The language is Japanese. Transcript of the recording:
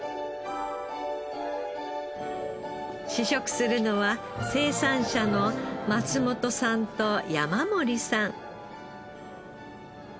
試食するのは生産者の松本さんと山森さん。